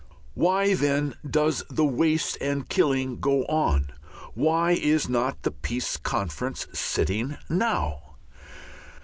Why, then, does the waste and killing go on? Why is not the Peace Conference sitting now?